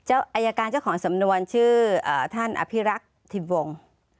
อายการเจ้าคลณะของสำนวนชื่อท่านอภีรกษ์ถิวงค์